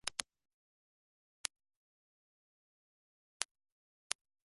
人間は、めしを食べなければ死ぬから、そのために働いて、